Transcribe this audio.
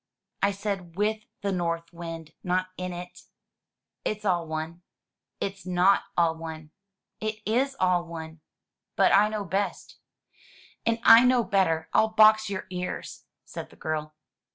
"I said with the North Wind, not in it." "It's all one." "It's not all one." "It is all one." "But I know best." "And I know better. I'll box your ears," said the girl.